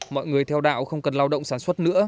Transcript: mọi người theo đạo không cần lao động sản xuất nữa